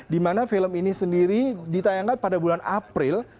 di mana film ini sendiri ditayangkan pada bulan april